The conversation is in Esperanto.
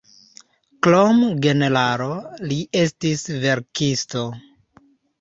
Krom generalo, li estis verkisto.